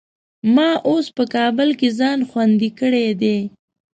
ما اوس په کابل کې ځان خوندي کړی دی.